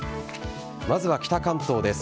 まずは北関東です。